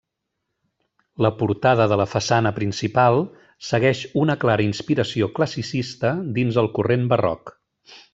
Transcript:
La portada de la façana principal segueix una clara inspiració classicista dins el corrent barroc.